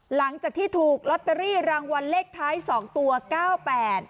หลังจากที่ถูกลอตเตอรี่รางวัลเลขท้ายสองตัวเก้าแปด